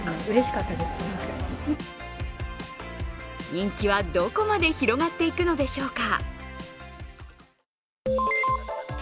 人気はどこまで広がっていくのでしょうか。